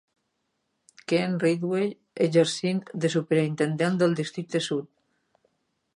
Kent Ridgway exercint de superintendent del Districte Sud.